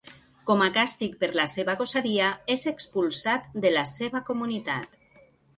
Com a càstig per la seva gosadia, és expulsat de la seva comunitat.